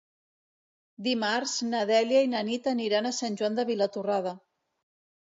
Dimarts na Dèlia i na Nit aniran a Sant Joan de Vilatorrada.